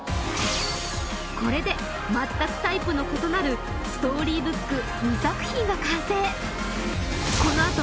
これで全くタイプの異なるストーリーブック２作品が完成